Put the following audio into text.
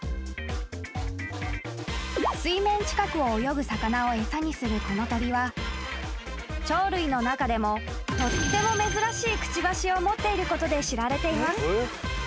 ［水面近くを泳ぐ魚を餌にするこの鳥は鳥類の中でもとっても珍しいくちばしを持っていることで知られています］